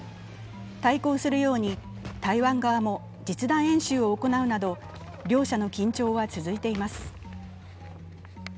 対抗するように台湾側も実弾演習を行うなど両者の緊張は続いています。